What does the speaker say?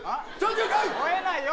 ほえないよ